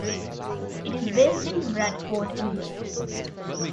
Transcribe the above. It is based in Bradford, England.